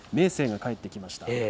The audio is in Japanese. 明生が帰ってきました。